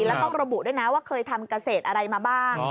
แล้วต้องระบุด้วยนะว่าเคยทำเกษตรอะไรมาบ้าง